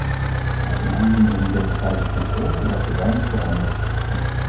Maar ten aanzien van de democratische controle lijkt er weinig veranderd.